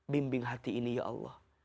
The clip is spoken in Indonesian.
bimbing hati ini ya allah